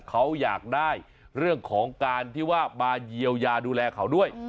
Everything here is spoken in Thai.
เขาอยากได้เรื่องของการที่ว่ามาเยียวยาดูแลเขาด้วย